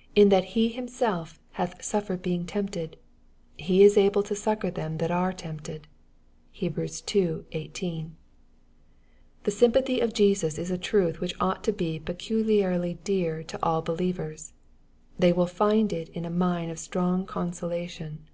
" In that he himself hath suffered being tempted, he is able to succor them that are tempted." (Heb. ii. 18.) The sympathy of Jesus is a truth which ought to be peculiarly dear to all believers. They will find in it a mine of strong consolation.